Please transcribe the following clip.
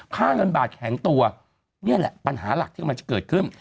ค่าเงินบาทแข็งตัวนี่แหละปัญหาหลักที่กำลังจะเกิดขึ้น